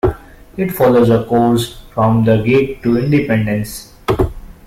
It follows a course from the gate to Independence.